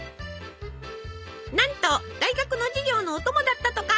なんと大学の授業のお供だったとか。